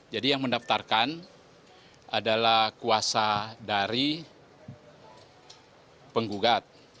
jadi yang mendaftarkan adalah kuasa dari penggugat